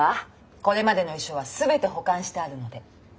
これまでの衣装は全て保管してあるので。